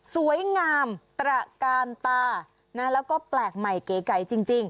สวยงามตระกาลตานะแล้วก็แปลกใหม่เก๋ไก่จริง